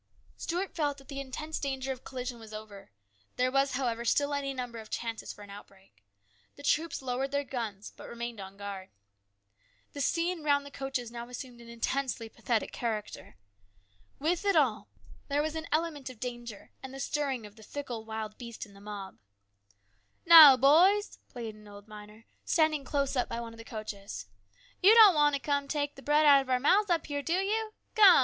Stuart felt that the immediate danger of collision was over. There was, however, still any number of chances for an outbreak. The troops lowered their guns but remained on guard. The scene round the coaches now assumed an intensely pathetic character. With it all there was an 116 HIS BROTHER'S KEEPER. element of danger and the stirring of the fickle wild beast in the mob. " Now, boys," pleaded an old miner, standing close up by one of the coaches, " you don't want to take bread out of our mouths up here, do you ? Come